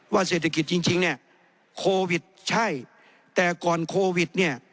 เศรษฐกิจจริงเนี่ยโควิดใช่แต่ก่อนโควิดเนี่ย